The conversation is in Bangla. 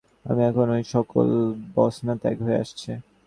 আমার এখন ঐ-সকল বাসনা ত্যাগ হয়ে আসছে।